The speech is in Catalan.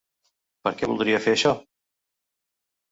Per què voldria fer això?